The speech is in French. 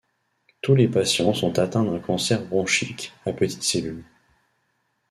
Tous les patients sont atteints d’un cancer bronchique à petites cellules.